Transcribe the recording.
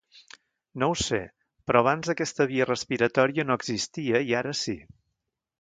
No ho sé, però abans aquesta via respiratòria no existia i ara sí.